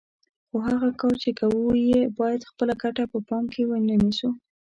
خو هغه کار چې کوو یې باید خپله ګټه په پام کې ونه نیسو.